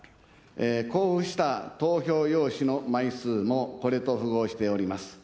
交付した投票用紙の枚数もこれと符合しております。